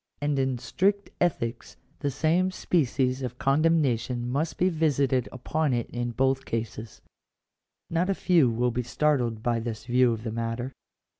And in strict ethics the same species of condemnation must be visited upon it in both cases. §2. Not a few will be startled by this view of the matter.